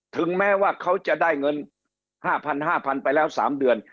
ถึงแม้ว่าเขาจะได้เงิน๕๐๐๕๐๐ไปแล้ว๓เดือน